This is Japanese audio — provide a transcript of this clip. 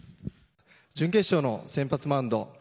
準決勝の先発マウンド